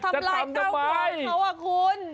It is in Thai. ทำลายเขาความเขาว่ะคุณ